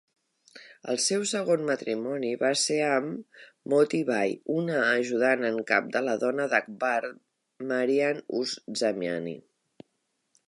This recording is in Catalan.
El seu segon matrimoni va ser amb Moti Bai, una ajudant en cap de la dona d'Akbar, Mariam-uz-Zamani.